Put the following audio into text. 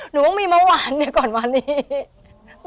หนูเพิ่งมีเมื่อวานเนี่ยก่อนวานนี้